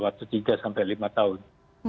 waktu tiga sampai lima tahun